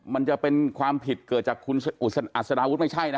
มันจะเป็นความผิดเกิดจากคุณอัศดาวุฒิไม่ใช่นะ